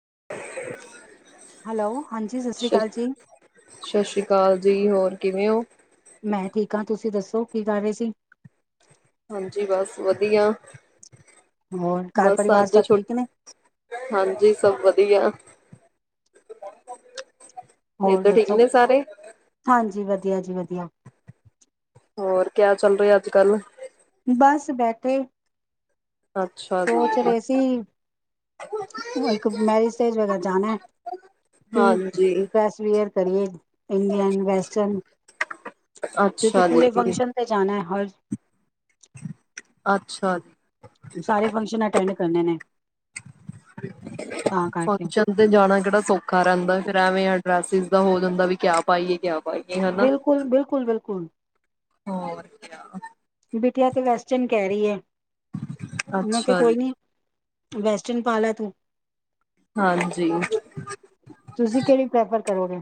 [inaudible] Hello ਹਾਂਜੀ ਸਤਿ ਸ੍ਰੀ ਸ ਅਕਾਲ ਜੀ ਸਤਿ ਸ੍ਰੀ ਅਕਾਲ ਜੀ। ਹੋਰ ਕਿਵੇਂ ਹੋ? ਮੈਂ ਠੀਕ ਹ। ਤੁਸੀਂ ਦੱਸੋ। ਕੀ ਕਰ ਰਹੇ ਸੀ। ਹਾਂਜੀ। ਬਸ ਵਧੀਆ। ਹੋਰ ਘਰ ਬਸ ਪਰਿਵਾਰ ਅੱਜ ਸਭ ਛ ਠੀਕ ਨੇ ਹਾਂਜੀ ਸਭ ਵਧੀਆ। ਇਹ ਹੋਰ ਤਾਂ ਠੀਕ ਦੱਸੋ ਨੇ ਸਾਰੇ। ਹਾਂਜੀ ਵਧੀਆ ਜੀ ਵਧੀਆ। ਹੋਰ ਕਿਆ ਚੱਲ ਰਿਹਾ ਅੱਜ ਕੱਲ? ਬਸ ਬੈਠੇ ਅੱਛਾ ਸੋਚ ਜੀ ਰਹੇ ਸੀ, ਇੱਕ ਮੈਰਿਜ ਤੇ ਵਗੈਰਾ ਜਾਣਾ ਕਿ ਹਾਂਜੀ ਡਰੈਸ ਵੀਅਰ ਕਰੀਏ ਇੰਡੀਅਨ ਵੈਸਟਰਨ ਕਿਉਂਕਿ ਅੱਛਾ ਪੂਰੇ ਜੀ ਫੰਕਸ਼ਨ ਤੇ ਜਾਣਾ ਹਰ [inaudible] ਆਡੀਓ ਖਾਲੀ ਹੈ। ਅੱਛਾ, ਸਾਰੇ ਫੰਕਸ਼ਨ ਅਟੈਂਡ ਕਰਨੇ ਨੇ ਤਾਂ ਕਰਕੇ ਫੰਕਸ਼ਨ ਤੇ ਜਾਣਾ ਕਿਹੜਾ ਸੌਖਾ ਰਹਿੰਦਾ ਫਿਰ- ਐਵੇਂ ਆ ਡਰਾਸ ਹੋ ਜਾਂਦਾ ਵੀ ਕਿਆ ਪਾਈਏ ਕਿਆ ਪਾਈਏ ਹਨਾ ਬਿਲਕੁਲ ਬਿਲਕੁਲ ਬਿਲਕੁਲ ਹੋਰ ਕ ਬਿਟੀਆ ਤੇ ਵੈਸਟਰਨ ਕਹਿ ਰਹੀ ਹੈ। ਮੈਂ ਕਿਹਾ ਅੱਛਾ ਜੀ ਕੋਈ ਨੀ ਵੈਸਟਰਨ ਪਾ ਲੈ ਤੂੰ। ਹਾਂਜੀ ਤੁਸੀ ਕਿਹੜੀ ਪ੍ਰੈਫ਼ਰ ਕਰੋਗੇ?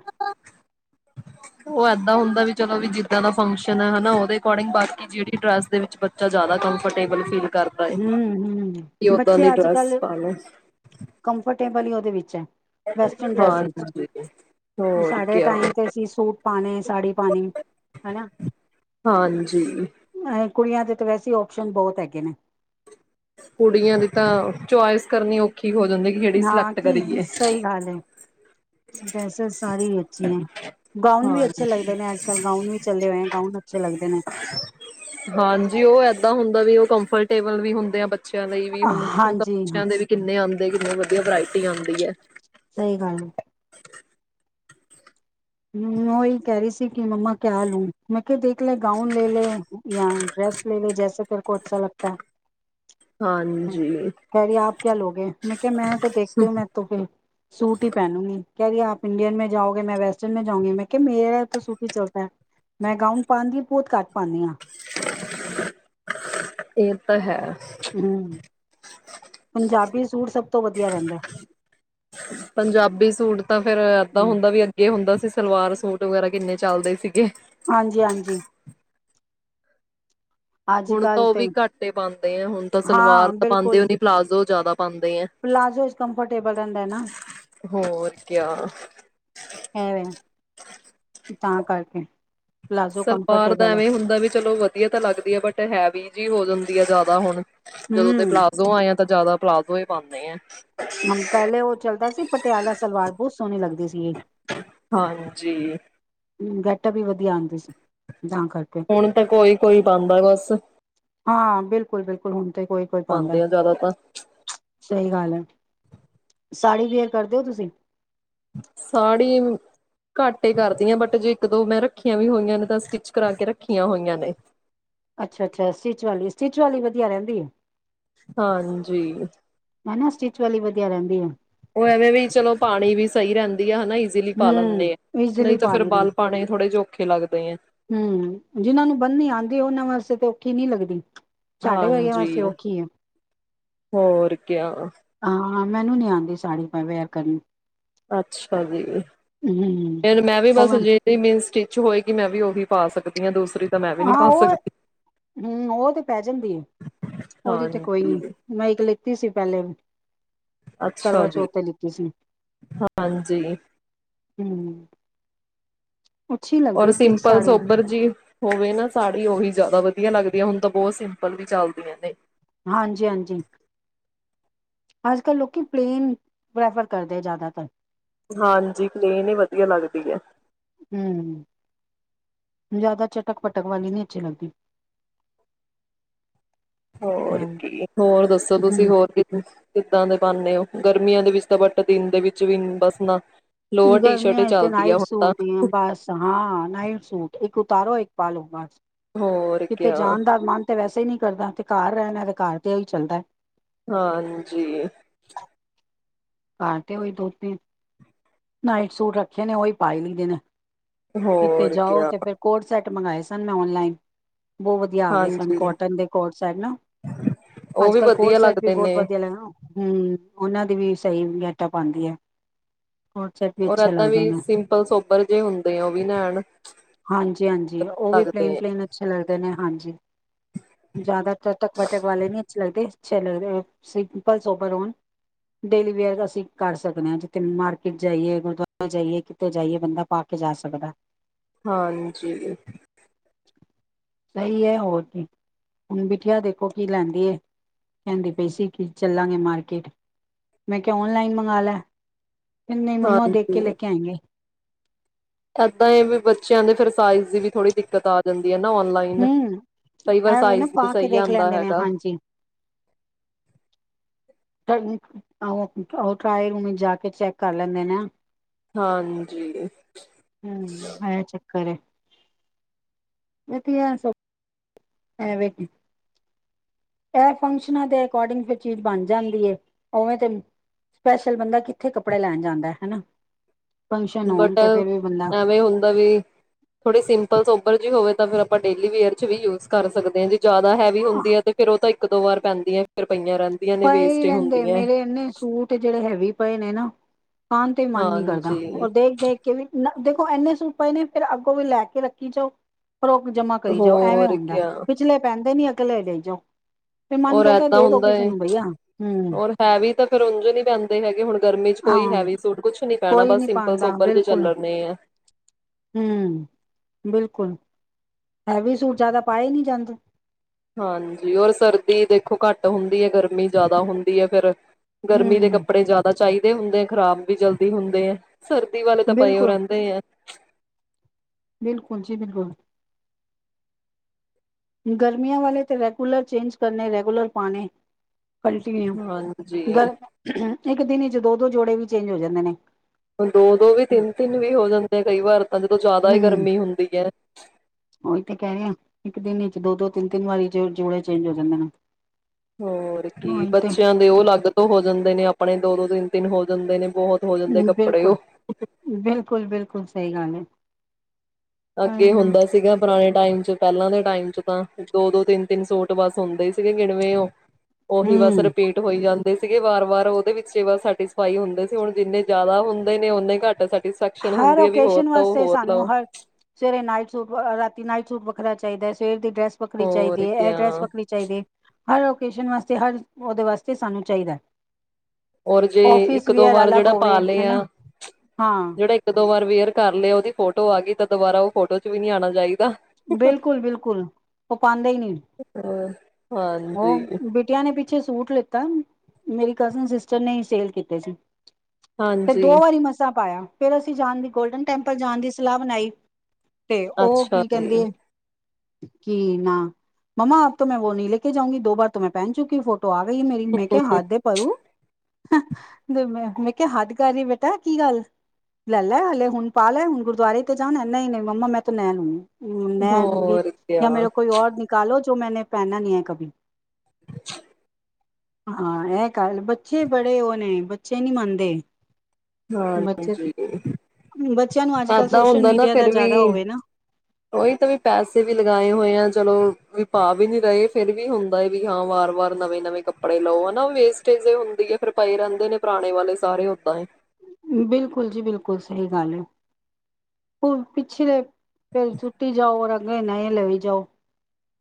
ਉਹ ਏਦਾਂ ਹੁੰਦਾ ਵੀ ਚਲੋ ਵੀ ਜਿਦਾਂ ਦਾ ਫੰਕਸ਼ਨ ਹੈ ਹੈਨਾ ਓਦੇ ਐਕਾਰਡਿੰਗ ਬਾਕੀ ਜਿਹੜੀ ਡਰੈਸ ਦੇ ਵਿਚ ਬੱਚਾ ਜਿਆਦਾ ਕੰਫਰਟੇਬਲ ਫੀਲ ਕਰਦਾ ਹੈ, ਹਮ ਕਿ ਹਮ ਉਦਾਂ ਦੀ ਬੱਚੇ ਡਰੈਸ ਪਾ ਲੋ। ਟੇਬਲ ਹੀ ਉਹਦੇ ਵਿੱਚ ਹੈ। ਵੈਸਟਰਨ ਡ੍ਰੈਸ ਵਿੱਚ, ਹਾਂਜੀ ਹੋਰ ਸਾਡੇ ਕਿਆ ਟਾਈਮ ਤੇ ਅਸੀਂ ਸੂਟ ਪਾਣੇ, ਸਾੜੀ ਪਾਣੀ ਹੈਨਾ। ਹਾਂਜੀ ਕੁੜੀਆਂ ਦੇ ਤੇ ਵੈਸੇ ਆਪਸ਼ਨ ਬਹੁਤ ਹੈਗੇ ਨੇ। ਕੁੜੀਆਂ ਦੀ ਤਾਂ ਚੁਆਇਸ ਕਰਨੀ ਔਖੀ ਕੀ ਹੋ ਜਾਂਦਾ ਹੈ ਕਿ ਕਿਹੜੀ ਸਿਲੈਕਟ ਕਰੀਏ। ਡਰੈੱਸਸ ਸਾਰੀ ਹੀ ਅੱਛੀਆਂ ਗਾਊਨ ਵੀ ਅੱਛੇ ਹਾਂਜੀ ਲੱਗਦੇ ਨੇ ਅੱਜ ਕੱਲ੍ਹ ਗਾਊਨ ਵੀ ਚੱਲਦੇ ਹੋਏ ਹੈ ਗਾਊਨ ਅੱਛੇ ਲੱਗਦੇ ਨੇ। ਟੇਬਲ ਵੀ ਹੁੰਦੇ ਆ ਬੱਚਿਆਂ ਦੇ ਵੀ ਹੁਨ ਹਾਂਜੀ ਹਾਂ ਕਿੰਨੇ ਆਉਂਦੇ ਕਿੰਨੇ ਵਧੀਆ ਵਰਾਈਟੀ ਆਉਂਦੀ ਹੈ। ਸਹੀ ਗੱਲ ਹੈ [unintelligible] ਹਮ ਉਹੀ ਕਹਿ ਰਹੀ ਸੀ। ਕਿ ਮੰਮਾ ਕਿਆ ਲੂ? ਮੈਂ ਕਿਹਾ ਦੇਖ ਲੈ ਗਾਊਨ ਲੇ ਲੇ ਯਾ ਡ੍ਰੈਸ ਲੇ ਲੇ ਜੈਸੇ ਤੇਰਕੋ ਅਛਾ ਲੱਗਤਾ ਹੈ। ਹਾਂਜੀ ਕਹਿ ਰਾਹੀਂ ਆਪ ਕਿਆ ਲਓਗੇ ਮੈਂ ਕਿਹਾ ਮੈਂ ਤਾਂ ਦੇਖਤੀ ਹੂ ਮੈਂ ਤੋਂ ਫਿਰ ਸੂਟ ਹੀ ਪਹਿਨੂੰਗੀ। ਕਹਿ ਰਹੀ ਹੈ ਆਪ ਇੰਡੀਅਨ ਮੇ ਜਾਉਗੇ ਮੈਂ ਵੈਸਟਨ। ਚਲੀ ਜਾਉਂਗੀ ਮੈਂ ਕਿਹਾ ਮੇਰੇ ਤੋਂ ਸੂਟ ਹੀ ਚੱਲਤਾ ਹੈ ਮੈਂ ਗਾਊਨ ਪਾਉਂਦੀ ਬਹੁਤ ਘੱਟ ਪਾਨੀ ਹਾਂ। [unintelligible] ਇਹ ਤੇ ਹੈ ਹਮ ਪੰਜਾਬੀ ਸੂਟ ਸਭ ਤੋਂ ਵਧੀਆ ਰਹਿੰਦਾ ਪੰਜਾਬੀ ਸੂਟ ਤਾਂ ਫੇਰ ਇਦਾਂ ਹਮ ਹੁੰਦਾ ਵੀ ਅੱਗੇ ਹੁੰਦਾ ਸੀ। ਤੇ ਸਲਵਾਰ ਸੂਟ ਵਗੈਰਾ ਕਿੰਨੇ ਚੱਲਦੇ ਸੀ ਗੇ। ਹਾਂਜੀ-ਹਾਂਜੀ। ਹੁਣ ਤਾਂ ਉਹ ਵੀ ਘੱਟੇ ਪਾਉੰਦੇ ਆ ਹੁਣ ਤਾਂ ਸਲਵਾਰ ਹਾਂ ਤਾਂ ਪਾਉਂਦੇ ਬਿਲਕੁਲ ਹੀ ਨਹੀ ਪਲਾਜ਼ੋ ਜ਼ਿਆਦਾ ਪਾਨਦੇ ਆ ਪਲਾਜ਼ੋ ਕੰਫਰਟੇਬਲ ਰਹਿੰਦਾ ਹੈ ਨਾ ਹੋਰ ਕਿਆ ਹੈ ਵੇ ਤਾਂ ਕਰਕੇ ਪਲਾਜ਼ੋ ਸਲਵਾਰ ਦਾ ਕੰਫਰਟੇਬਲ ਐਵੇਂ ਹੁੰਦਾ ਵੀ ਚਲੋ ਵਧੀਆ ਤਾਂ ਲੱਗਦੀ ਹੈ ਬਟ ਹੈ ਬੀਜੀ ਹੋ ਜਾਂਦੀ ਹੈ ਜ਼ਿਆਦਾ ਹੁਣ। ਜਦੋਂ ਦੇ ਹਮ ਪਲਾਜ਼ੋ ਆਏ ਤਾਂ ਜ਼ਿਆਦਾ ਪਲਾਜ਼ੋ ਹੀ ਪਾਉਂਦੇ ਐ। ਹਮ ਪਹਿਲੇ ਉਹ ਚੱਲਦਾ ਸੀ ਪਟਿਆਲਾ ਸਲਵਾਰ ਬਹੁਤ ਸੋਹਣੀ ਲੱਗਦੀ ਸੀ। ਹਾਂਜੀ। ਹੂ ਗੱਟ ਵੀ ਵਧੀਆ ਆਉਂਦੀ ਸੀ। ਤਾਂ ਕਰਕੇ ਹੁਣ ਤਾਂ ਕੋਈ ਕੋਈ ਪਾਉਂਦਾ ਬਸ। ਹਾਂ ਬਿਲਕੁਲ ਬਿਲਕੁਲ ਹੁਣ ਤੇ ਕੋਈ ਕੋਈ ਪਾਉਂਦਾ, ਪਾਂਦੇ ਆ ਜ਼ਿਆਦਾ ਤਾਂ ਸਹੀ ਗੱਲ ਏ। ਸਾੜੀ ਵੇਅਰ ਕਰਦੇਓ ਤੁਸੀਂ? ਸਾੜੀ ਮ ਘੱਟ ਹੀ ਕਰਦੀ ਆ ਬਟ ਜੇ ਇੱਕ ਦੋ ਮੈਂ ਰੱਖੀਆਂ ਵੀ ਹੋਈਆਂ ਨੇ ਤਾਂ ਸਟਿੱਚ ਕਰਾ ਕੇ ਰੱਖੀਆਂ ਹੋਈਆਂ ਨੇ। ਅੱਛਾ ਅੱਛਾ ਸਟਿਚ ਵਾਲੀ ਸਟਿਚ ਵਾਲੀ ਵਧੀਆ ਰਹਿੰਦੀ ਏ। ਹਾਂਜੀ ਹਨਾ ਸਟਿਚ ਵਾਲੀ ਵਧੀਆ ਰਹਿੰਦੀ ਆ [inaudible] ਉਹ ਐਵੇਂ ਵੀ ਚਲੋ ਪਾਣੀ ਵੀ ਸਹੀ ਰਹਿੰਦੀ ਆ ਨਹੀਂ ਈਜ਼ੀਲੀ ਪਾ ਲੈਂਦੇ, ਹਮ ਇਜ਼ਲੀ ਨਹੀਂ ਤਾਂ ਪਾ ਫੇਿਰ ਲਈ ਦੀ ਬਾਲ ਪਾਣੇ ਥੋੜੇ ਜਿਹੇ ਓ [unintelligible] ਖੇ ਲੱਗਦੇ ਏਂ ਹਮ ਜਿਹਨਾਂ ਨੂੰ ਬੰਨ੍ਹਨੀ ਆਉਂਦੀ ਉਹਨਾਂ ਵਾਸਤੇ ਤੇ ਔਖੀ ਨਹੀਂ ਲੱਗਦੀ ਸਾਢੇ ਵਰਗਿਆਂ ਹਾਂਜੀ ਵਾਸਤੇ ਔਖੀ ਆ ਹੋਰ ਕਿਆ ਹਾਂ ਮੈਨੂੰ ਨੀ ਆਉਂਦੀ ਸਾੜੀ ਪਾ ਵੇਅਰ ਕਰਨੀ ਅੱਛਾ ਜੀ, ਹਮ ਫਰ ਮੈਂ ਵੀ ਬਸ ਹਜੇ ਮਿੰਸ ਹੋਏਗੀ ਮੈਂ ਵੀ ਉਹੀ ਪਾ ਸਕਦੀ ਹਾਂ ਦੂਸ ਹਾਂ ਉਹ ਹਮ ਉਹ ਤੇ ਪੈ ਜਾਂਦੀ ਹੈ, ਉਹਦੇ ਤੇ ਕੋਈ ਨੀ ਹਾਂਜੀ ਮ ਇੱਕ ਲਿੱਤੀ ਸੀ ਪਲੇ [unintelligible] ਅੱਛਾ ਜੀ ਕਰਵਾਚੌਥ ਤੇ ਲਿੱਤੀ ਸੀ, ਹਾਂਜੀ ਹਮ ਅੱਛੀ ਔਰ ਲੱਗਦੀ ਸਟਿਚ ਸਿੰਪਲ ਸਾੜੀਆਂ ਸੋਬਰ ਜੀ ਹੋਵੇ ਨਾ ਸਾੜੀ ਉਹੀ ਜ਼ਿਆਦਾ ਵਧੀਆ ਲੱਗਦੀ ਹੈ ਹੁਣ ਤਾਂ ਬਹੁਤ ਸਿੰ ਪਲ ਵੀ ਚੱਲਦੀਆਂ ਤੇ ਹਾਂਜੀ-ਹਾਂਜੀ, ਅੱਜ ਕੱਲ੍ਹ ਲੋਕੀ ਪਲੇਨ ਪ੍ਰੈਫਰ ਕਰਦੇ ਆ ਜ਼ਿਆਦਾਤਰ ਹਾਂਜੀ ਪਲੇਨ ਹੀ ਵਧੀਆ ਲੱਗਦੀ ਐ ਹਮ, ਜ਼ਿਆਦਾ ਚਟਕ-ਪਟਕ ਵਾਲੀ ਨੀ ਅੱਛੀ ਲੱਗਦੀ ਹੋਰ ਹੂੰ ਕੀ ਹੋਰ ਦੱਸੋ ਤੁਸੀਂ ਹੂੰ ਹੋਰ ਕੀ ਕੀ ਇੱਦਾਂ ਦੇ ਪਾਉਦੇ ਹੋ ਗਰਮੀਆਂ ਦੇ ਵਿੱਚ ਤਾਂ ਬਟ ਦਿਨ ਦੇ ਵਿੱਚ ਵੀ ਬਸ ਨਾ ਲੋਅਰ ਟੀ ਸ਼ਰਟ ਈ ਗਰਮੀਆਂ ਵਿੱਚਥੇ ਚੱਲਦੀ ਆ ਨਾਈਟ ਹੁਣ ਤਾਂ ਸੂਟ ਬਸ ਹਾਂ ਨਾਈਟ ਸੂਟ ਇੱਕ ਓਤਾਰੋ ਇੱਕ ਪਾਲੋ ਬਸ ਹੋਰ ਕਿਤੇ ਕਿਆ ਜਾਣ ਦਾ ਮਨ ਤੇ ਵੈਸੇ ਸੇ ਨੀ ਕਰਦਾ ਤੇ ਘਰ ਰਹਿਣਾ ਤੇ ਘਰ ਤੇ ਉਹੀ ਚੱਲਦਾ ਹਾਂਜੀ ਘਰ ਤੇ ਓਹੀ ਦੋ ਤਿੰਨ ਨਾਈਟ ਸੂਟ ਰੱਖੇ ਨੇ ਉਹੀ ਪਾਏ ਲਈਦੇ ਨੇ ਕਿਤੇ ਹੋਰ ਜਾਓ ਕਿਆ ਤੇ ਫਿਰ ਕੋਡ ਸੇਟ ਸੂਟ ਮੰਗਾਏ ਸਨ ਮੈਂ ਔਨਲਾਈਨ ਬਹੁਤ ਵਧੀਆ ਆ ਗਏ ਸਨ। ਹਾਂਜੀ ਕੋਟਨ ਦੇ ਕੋਟ ਸੈਟ ਨਾ। ਓ ਵੀ ਅੱਜ-ਕਲ ਕੋਟ ਵਧੀਆ ਸੈਟ ਵੀ ਲੱਗਦੇ ਬਹੁਤ ਨੇ। ਵਧਿਆ ਹੂੰ ਉਹਨਾਂ ਦੀ ਵੀ ਸਹੀ ਵੀ ਆਟਾ ਪਾਉਂਦੀ ਹੈ। ਚੈਕ ਵੀ ਔਰ ਅੱਛੇ ਏਦਾਂ ਲੱਗਦੇ ਵੀ ਨੇ ਸਿੰਪਲ ਸੋਬਰ ਜੇ ਹੁੰਦੇ ਆ ਓ ਵੀ ਨੈਣ ਹਾਂਜੀ-ਹਾਂਜੀ, ਉਹ ਵੀ ਪਲੇਨ ਲੱਗਦੇ ਆ। ਪਲੇਨ ਅੱਛੇ ਲੱਗਦੇ ਨੇ ਹਾਂਜੀ, ਜ਼ਿਆਦਾ ਚਟਕ, ਪਟਕ ਵਾਲੇ ਨੀ ਅੱਛੇ ਲੱਗਦੇ। ਅਛਾ ਲਗਦਾ ਹੈ। ਸਿੰਪਲ ਸੋਪਰ ਹੋਣ ਡੇਲੀ ਵੇਅਰ ਦਾ ਅਸੀਂ ਕਰ ਸਕਨੇ ਹਾਂ ਜੈ ਮਾਰ ਕਿਟੀ ਜਾਈਏ, ਗੁਰਦੁਆਰੇ ਜਾਈਏ, ਕਿੱਤੇ ਜਾਈਏ ਬੰਦਾ ਪਾ ਕੇ ਜਾ ਸਕਦਾ। ਹਾਂਜੀ। ਸਹੀ ਹੈ ਹੋਰ ਕੀ, ਹੁਣ ਬਿਟੀਆ ਦੇਖੋ ਮ, ਕੀ ਲੈਂਦੀ ਹੈ, ਕਹਿੰਦੀ ਪਈ ਸੀ ਕਿ ਚੱਲਾਂਗੇ ਮਾਰਕੀਟ, ਮੈਂ ਕਿਹਾ ਆਨਲਾਈਨ ਮੰਗਵਾ ਲੈ। ਫਿਰ, ਨਹੀਂ ਮੰਮਾ ਦੇਖ ਕੇ ਲੈ ਹਾਂਜੀ। ਕੇ ਆਏਗੇ। ਏਦਾਂ ਏ, ਬੱਚਿਆਂ ਦੇ ਫਿਰ ਸਾਈਜ਼ ਦੀ ਵੀ ਥੋੜੀ ਦਿੱਕਤ ਆ ਜਾਂਦੀ। ਨਾ ਨਲਾਈਨ ਹਮ ਕਈ ਵਾਰ ਐਵੇਂ ਨਾ ਸਾਈਜ਼ ਨ ਪਾ ਕੇ ਸਹੀ ਦੇਖ ਆਉਂਦਾ ਲੈਂਦੇ ਨੇ ਹੈਗਾ। ਹਾਂਜੀ ਉਹ-ਉਹ ਟਰਾਏ ਰੂਮ ਵਿੱਚ ਜਾ ਕੇ ਚੈੱਕ ਕਰ ਲੈਂਦੇ ਨੇ ਨਾ। ਹਾਂਜੀ। ਕਰੇ [unintelligible] ਤਇਹ ਤ ਆਸ ਏ ਵੇਖ ਇਹ ਫੰਕਸ਼ਨਾ ਦੇ ਅਕੋਰਡਿੰਗ ਫਿਰ, ਚੀਜ਼ ਬਣ ਜਾਂਦੀ ਹੈ। ਉਵੇਂ ਤੇ ਸਪੈਸ਼ਲ ਬੰਦਾ ਕਿੱਥੇ ਕੱਪੜੇ ਲੈਣ ਜਾਂਦਾ ਹੈ ਹੈਨਾ। ਬਟ ਐਵੇਂ ਹੁੰਦਾ ਵੀ ਥੋੜੀ ਸਿੰਪਲ ਸੋਬਰ ਜਿਹੀ ਹੋਵੇ ਤਾਂ ਫਿਰ, ਆਪਾਂ ਡੇਲੀ ਵੇਅਰ ਚ ਵੀ ਯੂਜ ਕਰ ਸਕਦੇ ਹਾਂ ਜੀ। ਜਿਆਦਾ ਹੈਵੀ ਹੁੰਦੀ ਹੈ ਤੇ ਫਿਰ ਉਹ ਤਾਂ ਇੱਕ-ਦੋ, ਵਾਰ ਪੈਂਦੀ ਹੈ ਫ ਪਏ ਹੀ ਰਹਿੰਦੇ, ਮੇਰੇ ਇਨੇ ਸੂਟ ਜਿਹੜੇ ਹੈਵੀ ਪਏ ਨੇ ਨਾ। ਖਾਣ ਤੇ ਵਿ ਮਨ ਨਹੀਂ ਕਰਦਾ, ਹਾਂਜੀ ਔਰ ਦੇਖ-ਦੇਖ ਕੇ ਵੀ ਦੇਖੋ, ਇੰਨੇ ਸੂਟ ਪਏ ਨੇ, ਫਿਰ ਅੱਗੋਂ ਵੀ ਲੈ ਕੇ ਰੱਖੀ ਜਾਓ। ਸਟੋਕ ਜਮਾ ਕਰੀ ਜਾਓ, ਐਵੇਂ ਹੋਰ ਹੁੰਦਾ। ਕਿਆ ਪਿਛਲੇ ਪੈਂਦੇ ਨੀ ਅ ਪਹਿਲਾ ਇਹੀ ਦੇਇ ਜਾਔ। ਔਰ ਇਏਦਾਂ ਹੁੰਦਾ ਏ ਹਮ ਹੋਰ ਹੈਵੀ ਤਾਂ ਫਿਰ, ਉਝ ਨੀ ਪੈਂਦੇ ਹੈਗੇ, ਹੁਣ ਗਰਮੀ ਚ ਹਾਂ ਕੋਈ ਹੈਵੀ ਸੂਟ, ਕੁਛ ਨੀ ਪੈਣਾ ਕੋਈ ਬਸ ਨੀ ਸਿੰਪਲ ਪਾਉਂਦਾ ਸੋਬਰ ਬਿਲਕੁਲ ਚਲਣੇ ਹੈ। ਹਮ ਬਿਲਕੁਲ ਹੈਵੀ ਸੂਟ ਜਿਆਦਾ ਪਾਏ ਨਹੀਂ ਜਾਂਦੇ। ਹਾਂਜੀ, ਔਰ ਸਰਦੀ ਦੇਖੋ ਘੱਟ ਹੁੰਦੀ ਹੈ, ਗਰਮੀ ਜ਼ਿਆਦਾ ਹੁੰਦੀ ਹੈ, ਫਿਰ ਗਰਮੀ ਦੇ ਹੂੰ ਕੱਪੜੇ ਜ਼ਿਆਦਾ ਚਾਹੀਦੇ ਤੇ ਹੁੰਦੇ ਆ ਖ਼ਰਾਬ ਵੀ ਜਲਦੀ ਹੁੰਦੇ ਆ। ਸਰਦੀ ਵਾਲੇ ਤਾ, ਪਇਓ ਬਿਲਕੁਲ ਰਹਿੰਦੇ ਆ। ਬਿਲਕੁਲ ਜੀ ਬਿਲਕੁਲ। ਗਰਮੀਆਂ ਵਾਲੇ ਤੇ ਰੈਗੂਲਰ ਚੇਂਜ ਕਰਨੇ ਤੇ ਰੈਗੂਲਰ ਪਾਣੇ। ਪਲਟੀ ਹੈ, ਹਾਂਜੀ ਗੱਲ ਇੱਕ ਦਿਨ ਦੋ-ਦੋ ਜੋੜੇ ਵੀ ਚੇਂਜ ਹੋਜਾਂਦੇ ਨੇ। ਦੋ ਦੋ ਵੀ ਤਿੰਨ ਤਿੰਨ ਵੀ ਹੋ ਜਾਂਦੇ ਆ ਕਈ ਵਾਰ ਤਾਂ ਜਦੋਂ ਜ਼ਿਆਦਾ ਹੀ ਹੂੰ ਗਰਮੀ ਹੁੰਦੀ ਹੈ। ਉਹੀ ਤੇ ਕਹਿ ਰਹੇ ਇੱਕ ਦਿਨ ਹੀ ਚ ਦੋ ਦੋ ਤਿੰਨ ਤਿੰਨ ਵਾਰੀ ਜੋੜੇ ਚੇਂਜ ਹੋ ਜਾਂਦੇ ਨੇ। ਹੋਰ ਕੀ ਉਹੀ ਤੇ ਬੱਚਿਆਂ ਦੇ ਉਹ ਅਲੱਗ ਤੋਂ ਹੋ ਜਾਂਦੇ ਨੇ ਆਪ ਆਪਣੇ ਦੋ ਦੋ ਤਿੰਨ ਤਿੰਨ ਹੋ ਜਾਂਦੇ ਨੇ ਬਹੁਤ ਹੋ ਜਾਂਦੇ ਹੂ ਕੱਪੜੇ ਬਿਲਕੁਲ ਉਹ ਬਿਲਕੁਲ ਬਿਲਕੁਲ ਸਹੀ ਗੱਲ ਹੈ। ਅੱਗੇ ਉਹੀ ਨਾ ਹੁੰਦਾ ਸੀਗਾ ਪੁਰਾਣੇ ਟਾਈਮ ਚ ਪਹਿਲਾਂ ਦੇ ਟਾਈਮ ਚ ਤਾਂ ਦੋ ਦੋ ਤਿੰਨ ਤਿੰਨ ਸੂਟ ਬੱਸ ਹੁੰਦੇ ਹੀ ਸੀਗੇ ਗਿਣਵੇਂ ਉਹ ਉਹੀ ਬਸ ਹੂੰ ਰਿਪੀਟ ਹੋਈ ਜਾਣ ਸੀਗੇ ਵਾਰ ਵਾਰ ਉਹਦੇ ਵਿੱਚ ਇਹ ਵ ਸੈਟਿਸਫਾਈ ਹੁੰਦੇ ਸੀ ਹੁਣ ਜਿੰਨੇ ਜ਼ਿਆਦਾ ਹੁੰਦੇ ਨੇ ਓਨੇ ਘੱਟ ਸਕਸ਼ਨ ਹਰ ਹੁੰਦੀ ਹੈ ਵੀ ਹੋਰ ਓਕੇਜਨ ਲਓ ਵਾਸਤੇ ਹੋਰ ਸਾਨੂੰ ਲਓ ਹਰ ਸਵੇਰੇ ਨਾਈਟ ਸੂਟ ਵਾਲਾ, ਰਾਤੀ ਨਾਈਟ ਸੂਟ ਵੱਖਰਾ ਚਾਹੀਦਾ ਹੈ ਸਵੇਰ ਦੀ ਡਰੈਸ ਵੱਖਰੀ ਹੋਰ ਚਾਹੀਦੀ ਹੈ ।ਇਹ ਕਿਆ ਡਰੈਸ ਵੱਖਰੀ ਚਾਹੀਦੀ ਹੈ। ਹਰ ਓਕੇਅਜ਼ਨ ਵਾਸਤੇ ਹਰ ਓਦੇ ਵਾਸਤੇ ਸਾਨੂੰ ਚਾਹੀਦਾ ਹੋਰ ਜੇ ਆਫਿਸ ਇੱਕ ਦੋ ਵੀਅਰ ਵਾਰ ਅਲੱਗ ਜਿਹੜਾ ਪਾ ਹੋਵੇ ਲਏ ਹਨਾ ਆ ਹਾਂ ਜਿਹੜਾ ਇੱਕ -ਦੋ ਵਾਰ ਵੇਅਰ ਕਰ ਲਏ ਉਹਦੀ ਫੋਟੋ ਆ ਗਈ ਤਾਂ ਦੁਬਾਰਾ ਉਹ ਫੋਟੋ ਚ ਵੀ ਨੀ ਆਣਾ ਚਾਹੀਦਾ। ਬਿਲਕੁਲ ਬਿਲਕੁਲ ਉਹ ਪਾਦੇ ਹੀ ਨਹੀਂ ਹਾਂਜੀ, ਉਹ ਬਿਟਿਆਂ ਨੇ ਪਿੱਛੇ ਸੂਟ ਲਿੱਤਾ ਮੇਰੀ ਕਜ਼ਨ ਸਿਸਟਰ ਨੇ ਹੀ ਸੇਲ ਕੀਤੇ ਸੀ ਤੇ ਹਾਂਜੀ ਦੋ ਵਾਰੀ ਮਸਾਂ ਪਾਇਆ। ਫਿਰ ਅਸੀਂ ਜਾਣ ਦੀ ਗੋਲਡਨ ਟੈਂਪਲ ਜਾਣ ਦੀ ਸਲਾਹ ਬਣਾਈ। ਤੇ ਉਹ ਅੱਛਾ ਕੀ? ਜੀ ਕਹਿੰਦੇ ਐ ਕੀ ਨਾ ਮੰਮਾ ਅਬ ਤੋਂ ਮੈਂ ਵੋ ਨਹੀਂ ਲੈ ਕੇ ਜਾਊਂਗੀ ਦੋ ਬਾਰ ਤੋਂ ਮੈਂ ਪਹਿਨ ਚੁੱਕੀ ਫੋਟੋ ਤੋਂ ਆ ਗਈ ਮੇਰੀ ਮੈਂ ਕਿਹਾ ਹਦ ਹੈ ਪਰੂ ਮੈ ਕਿਹਾਿਆ ਹੱਦ ਕਰ ਰਹੀ ਬੇਟਾ ਕੀ ਗੱਲ ਲੈ ਹਲੇ ਹੁਣ ਪਾ ਲੈ ਹੁਣ ਗੁਰਦੁਆਰੇ ਤੇ ਜਾਣਾ ਨਹੀਂ ਨਹੀਂ ਮੰਮਾ ਮੈਂ ਤਾਂ ਨੇਆ ਲਉ ਹਮ ਮੈਂ ਦੂੰਗੀ ਹੋਰ ਕਿਆ ਜਾਂ ਮੇਰੇ ਕੋਈ ਔਰ ਨਿਕਾਲੋ ਜ਼ੋ ਤੋ ਮੈਨੇ ਪਹਿਨਾ ਨਹੀਂ ਹੈ ਕਭੀ ਹਾਂ ਇਹ ਗੱਲ ਬੱਚੇ ਬੜੇ ਉਹ ਨੇ ਬੱਚੇ ਨਹੀਂ ਮੰਨਦੇ ਬੱਚੇ ਹਾਂਜੀ ਤੋਂ ਬੱਚਿਆਂ ਨੂੰ ਅੱਜ ਕੱਲ ਏਦਾਂ ਸੋਸ਼ਲ ਹੁੰਦਾ ਨਾ ਮੀਡੀਆ ਦਾ ਫਿਰ ਜ਼ਿਆਦਾ ਵੀ ਹੋਵੇ ਨਾ ਉਹੀ ਤਾਂ ਵੀ ਪੈਸੇ ਵੀ ਲਗਾਏ ਹੋਏ ਆ ਚਲੋ ਵੀ ਪਾ ਵੀ ਨੀ ਰਹੇ ਫੇਰ ਵੀ ਹੁੰਦਾ ਹੈ ਵੀ ਹਾਂ ਵਾਰ ਵਾਰ ਨਵੇਂ ਨਵੇਂ ਕੱਪੜੇ ਲਓ ਹਨਾ ਵੇਸਟੇਜ ਹੁੰਦੀ ਹੈ ਫੇਰ ਪਏ ਰਹਿੰਦੇ ਨੇ ਪੁਰਾਣੇ ਵਾਲੇ ਸਾਰੇ ਓਦਾਂ ਬਿਲਕੁਲ ਜੀ ਬਿਲਕੁਲ ਸਹੀ ਗੱਲ ਹੈ ਪਿੱਛਲੇ ਫਿਰ ਸੁਟੀ ਜਾਓ ਔਰ ਅਗਲੇ ਨੇਏ ਲਈ ਜਾਓ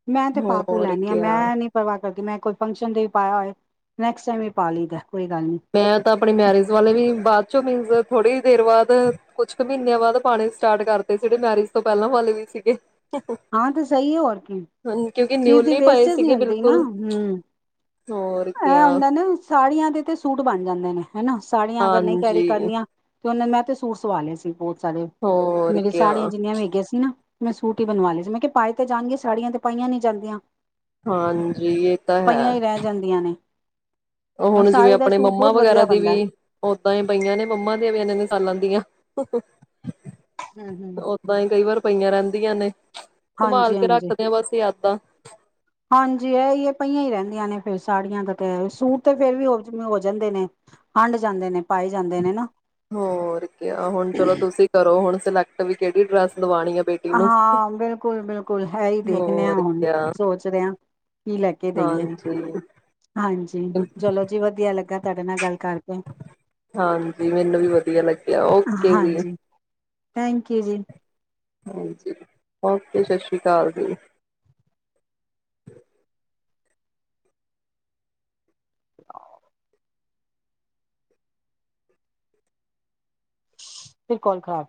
ਮੈਂ ਤੇ ਪਾਪੂ ਹੋਰ ਲੈਦੀ ਹਾਂ ਕਿਆ ਮੈਂ ਨੀ ਪਰਵਾਹ ਕਰਦੀ ਮੈਂ ਕੋਈ ਫੰਕਸ਼ਨ ਤੇ ਹੀ ਪਾਇਆ ਹੋਏ ਨੈਕਸਟ ਟਾਈਮ ਹੀ ਪਾ ਲਈਦਾ ਕੋਈ ਗੱਲ ਨੀ ਮੈਂ ਤਾਂ ਆਪਣੀ ਮੈਰਿਜ ਵਾਲੇ ਵੀ ਬਾਅਦ ਚੋਂ ਮੀਨਜ਼ ਥੋੜ੍ਹੀ ਦੇਰ ਬਾਅਦ ਕੁਛ ਕੁ ਮਹੀਨਿਆਂ ਬਾਅਦ ਪਾਣੀ ਸਟਾਰਟ ਕਰਦੇ ਜਿਹੜੇ ਮੈਰਿਜ ਤੋਂ ਪਹਿਲਾਂ ਵਾਲੇ ਵੀ ਸੀਗੇ ਹਾਂ ਤੇ ਸਹੀ ਹੈ ਹੋਰ ਕੀ ਕਿਉਂਕਿ ਚੀਜ਼ ਦੀ ਨਿਊਲੀ ਪਏ ਵੇਸਟਜ ਨਹੀਂ ਸੀਗੇ ਹੁੰਦੀ ਨਾ ਬਿਲਕੁਲ ਹਮ ਹੋਰ ਇਹ ਕਿਆ ਹੁੰਦਾ ਨਾ ਸਾੜੀਆਂ ਦੇ ਤੇ ਸੂਟ ਬਣ ਜਾਂਦੇ ਨੇ ਹਨਾ ਸਾੜੀਆਂ ਅਗਰ ਨਹੀਂ ਕੈਰੀ ਹਾਂਜੀ ਕਰਨੀਆਂ ਤੇ ਉਹੇ ਮੈਂ ਤੇ ਸੂਰ ਸਵਾ ਲਿਆ ਸੀ ਬਹੁਤ ਸਾਰੇ ਹੋਰ ਮੇਰੀ ਕਿਆ ਸਾੜੀਆਂ ਜਿੰਨੀਆਂ ਵੇਗੀਆਂ ਸੀ ਨਾ ਮੈਂ ਸੂਟ ਬਣਵਾ ਲ ਲਈ ਸੀ ਮੈਂ ਕਿਹਾ ਪਾਏ ਤੇ ਜਾਣਗੇ ਸਾੜੀਆਂ ਤੇ ਪਾਈਆਂ ਨੀ ਜਾਂਦੀਆਂ ਹਾਂਜੀ ਇਹ ਤਾਂ ਹੈ ਪਈਆਂ ਹੀ ਰਹਿ ਜਾਂਦੀਆਂ ਨੇ ਉਹ ਔਰ ਹੁਣ ਜਿਵੇਂ ਸਾੜੀ ਦਾ ਆਪਣੇ ਸੂਟ ਮੰਮਾ ਬਹੁਤ ਵਗੈਰਾ ਵਧੀਆ ਦੀ ਵੀ ਬਣਦਾ ਦਾਂ ਹੀ ਪਈਆਂ ਨੇ ਮੰਮਾ ਦੀਆਂ ਵੀ ਇਨ ਸਾਲਾਂ ਦੀਆਂ ਹੋ ਹਮ ਹਮ ਓਦਾਂ ਹੀ ਕਈ ਵਾਰ ਪਈਆਂ ਰਹਿੰਦੀਆਂ ਨੇ ਸੰਭਾਲ ਹਾਂਜੀ ਕੇ ਹਾਂਜੀ ਰੱਖਦੇ ਆਾਂ ਬਸ ਇੱਦਾਂ ਹਾਂਜੀ ਇਹ ਇਹ ਪਹੀਆਂ ਹੀ ਰਹਿੰਦੀਆਂ ਨੇ ਫਿਰ ਸਾੜੀਆਂ ਕਤੇ ਸੂਟ ਤੇ ਫੇਰ ਵੀ ਹੋ ਹੋ ਜਾਂਦੇ ਨੇ ਹੰਡ ਜਾਂਦੇ ਨੇ ਪਾਏ ਜਾਂਦੇ ਨੇ ਨਾ ਹੋਰ ਕੇ, ਹੁਣ ਚਲੋ ਤੁਸੀਂ ਕਰੋ ਹੁਣ ਸਲੈਕਟ ਤਾਵੀ ਕਿਹੜੀ ਡਰੱਸ ਹਾਂ ਬਿਲਕੁਲ ਬਿਲਕੁਲ ਹੈ ਹੀ ਦੇਖਦੇ ਹ ਹੋਰ ਹੁਣ ਕਿਆ ਸੋਚ ਰਿਹਾ ਕੀ ਲੈ ਕੇ ਦੇਈਏ ਹਾਂਜੀ ਹਾਂਜੀ ਚਲੋ ਜੀ ਵਧੀਆ ਲੱਗਾ ਤੁਹਾਡੇ ਨਾਲ ਗੱਲ ਕਰਕੇ ਹਾਂਜੀ, ਮੈਨੂੰ ਵੀ ਵਧੀਆ ਲੱਗਿਆ ਓਕੇ ਜੀ। ਥੈਂਕਯੂ ਜੀ। ਹਾਂਜੀ, ਓਕੇ ਸਤ ਸ੍ਰੀ ਅਕਾਲ ਜੀ। ਆਹ ਫਿਰ ਕਾੱਲ ਖਰਾਬ